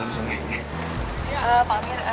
pak amir pinjem elme ya pak ya